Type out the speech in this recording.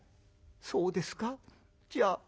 「そうですかじゃあ。